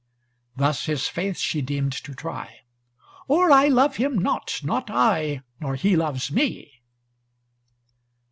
Thus his faith she deemed to try, "Or I love him not, not I, Nor he loves me!"